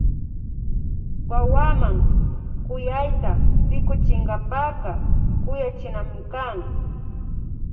Wawaman kuyayta rikuchinkapaka kuyachinami kan